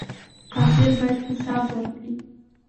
قاتل باید حساب ورکړي